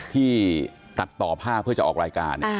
ที่ตัดต่อภาพเพื่อจะออกรายการ